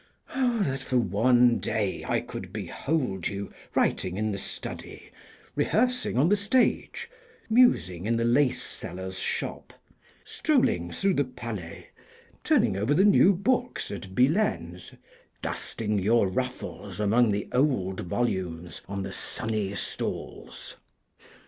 Ah, that for one day I could behold you, writing in the study, rehearsing on the stage, musing in the lace seller's shop, strolling through the Palais, turning over the new books at Billaine's, dusting your ruffles among the old volumes on the sunny stalls.